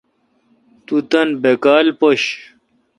تو تان بیکال پیشہ۔